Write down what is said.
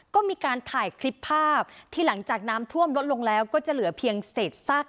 ก็มีการถ่ายคลิปภาพที่หลังจากน้ำท่วมลดลงแล้วก็จะเหลือเพียงเศษซาก